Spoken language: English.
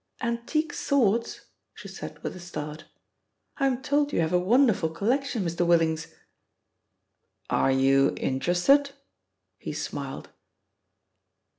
"Antique swords," she said with a start. "I'm told you have a wonderful collection, Mr. Willings." "Are you interested?" he smiled.